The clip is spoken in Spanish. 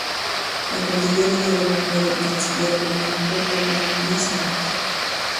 La cordillera lleva el nombre del canciller alemán Otto von Bismarck.